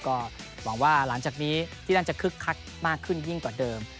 ก็หวังว่าหลังจากนี้ที่นั่นจะคึกคักมากขึ้นยิ่งกว่าเดิม